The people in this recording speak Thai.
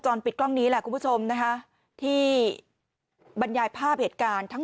ปิดกล้องนี้แหละคุณผู้ชมนะคะที่บรรยายภาพเหตุการณ์ทั้ง